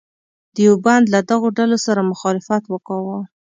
دیوبند له دغو ډلو سره مخالفت وکاوه.